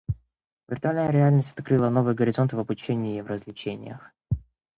Виртуальная реальность открывала новые горизонты в обучении и развлечениях.